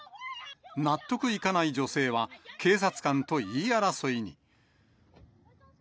納得いかない女性は、警察官と言い争いに。